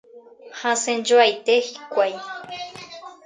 Hasẽjoaite hikuái.